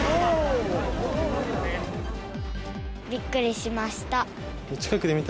びっくりしました。